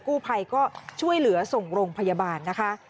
กู้ภัยก็ช่วยเหลือส่งโรงพยาบาลนะคะ